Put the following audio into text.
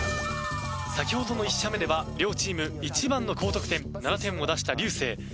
先ほどの１射目では両チーム一番の高得点７点を出した流星。